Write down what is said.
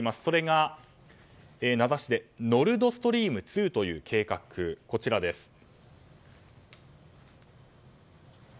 それが名指しでノルドストリーム２という計画です。